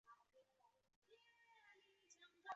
出席本次年会多为亚洲各国政要及商界领袖。